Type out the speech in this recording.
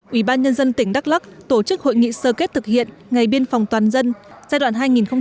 ủy ban nhân dân tỉnh đắk lắc tổ chức hội nghị sơ kết thực hiện ngày biên phòng toàn dân giai đoạn hai nghìn chín hai nghìn một mươi chín